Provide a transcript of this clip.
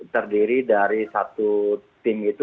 terdiri dari satu tim itu